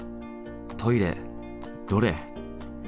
トイレどれ？